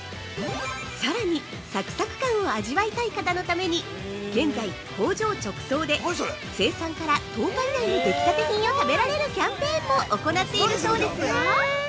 ◆さらに、サクサク感を味わいたい方のために現在、工場直送で生産から１０日以内のできたて品を食べられるキャンペーンも行っているそうですよ。